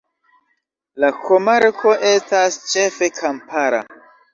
La komarko estas ĉefe kampara.